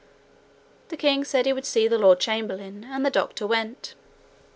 The king said he would see the lord chamberlain, and the doctor went.